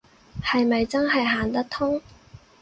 係咪真係行得通